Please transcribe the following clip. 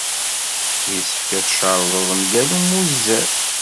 Yessefk ad tcerḍem mgal ummuzzer.